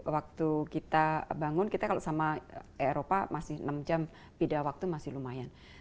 waktu kita bangun kita kalau sama eropa masih enam jam beda waktu masih lumayan